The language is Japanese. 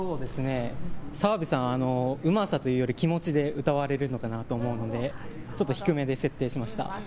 澤部さん、うまさというより気持ちで歌われるのかなと思うので、ちょっと低めで設定しました。